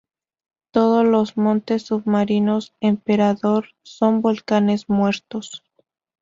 Todo los montes submarinos Emperador son volcanes muertos.